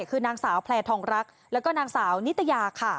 คือนางสาวแพลทองรักแล้วก็นางสาวนิตยาค่ะ